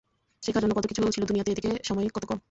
শেখার জন্য কত কিছু ছিল দুনিয়াতে এদিকে সময় কত কম।